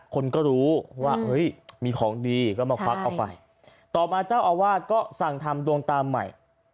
คนก็รู้ว่ามีของดีก็มาควักเอาไปต่อมาเจ้าอาวาสก็สั่งทำดวงตาใหม่